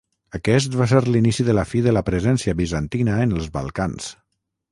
Aquest va ser l'inici de la fi de la presència bizantina en els Balcans.